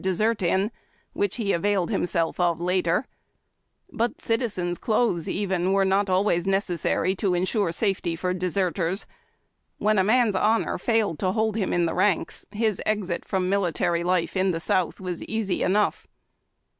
desert in, which he availed himself of later ; but citizen's clothes, even, were not always necessary to ensure safety for deserters. When a man's honor failed to hold him in the ranks, his exit from military life in the South was easy enough.